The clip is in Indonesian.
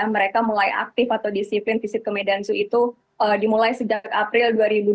mereka mulai aktif atau disiplin fisik ke medan zoo itu dimulai sejak april dua ribu dua puluh